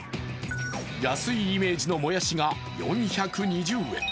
安いイメージのもやしが４２０円。